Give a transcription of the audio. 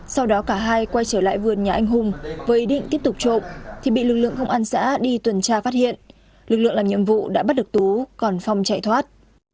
sau đó cả hai quay trở lại vườn nhà anh hùng với ý định tiếp tục trộm thì bị lực lượng công an xã đi tuần tra phát hiện lực lượng làm nhiệm vụ đã bắt được tú còn phong chạy thoát